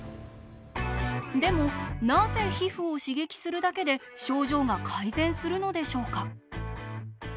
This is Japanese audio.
でもなぜ皮膚を刺激するだけで症状が改善するのでしょうか？